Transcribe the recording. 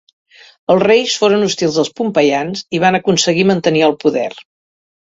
Els reis foren hostils als pompeians i van aconseguir mantenir el poder.